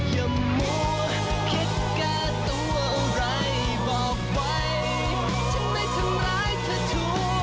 อย่ามัวคิดแก้ตัวอะไรบอกไว้ฉันไม่ทำร้ายเธอชู